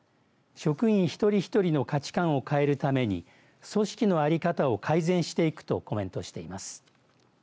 職員一人一人の価値観を変えるために組織の在り方を改善していくとコメントしています。